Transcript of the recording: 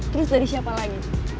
terus dari siapa lagi